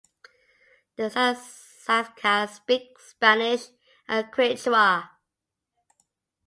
The Salasacas speak Spanish and Quichua.